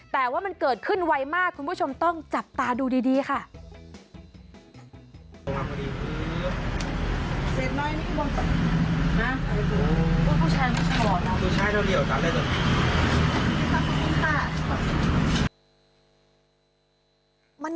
แต่ว่ามันเกิดขึ้นไวมากคุณผู้ชมต้องจับตาดูดีค่ะ